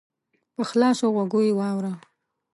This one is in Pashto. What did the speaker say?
په خلاصو غوږو یې واوره !